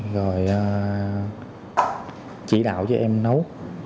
rồi chỉ đạo cho em nấu